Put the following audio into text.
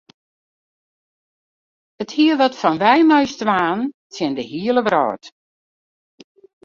It hie wat fan wy mei ús twaen tsjin de hiele wrâld.